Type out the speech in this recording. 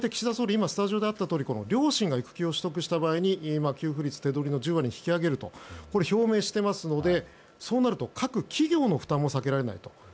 今、スタジオであったとおり両親が育休を取得した場合に給付率を手取りの１０割に引き上げると表明していますのでそうなると各企業の負担も避けられないと。